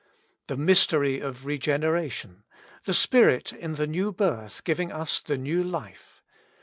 The mystery of regeneration — the Spirit in the new birth giving us the new life.